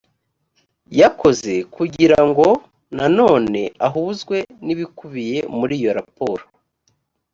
yakoze kugirango na none ahuzwe n ‘ibikubiye muri iyo raporo